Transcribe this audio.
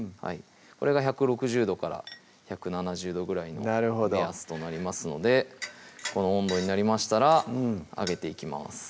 これが１６０度から１７０度ぐらいの目安となりますのでこの温度になりましたら揚げていきます